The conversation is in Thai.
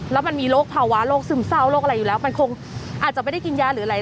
แล้วมันมีโรคภาวะโรคซึมเศร้าโรคอะไรอยู่แล้วมันคงอาจจะไม่ได้กินยาหรืออะไร